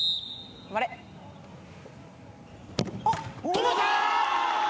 止めた！